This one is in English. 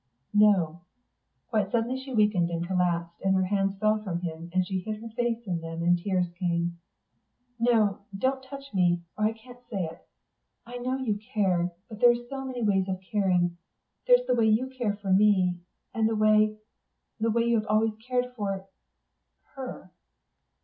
_" "No." Quite suddenly she weakened and collapsed, and her hands fell from him, and she hid her face in them and the tears came. "No don't touch me, or I can't say it. I know you care ... but there are so many ways of caring. There's the way you care for me ... and the way ... the way you've always cared for ... her...."